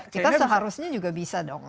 kita seharusnya juga bisa dong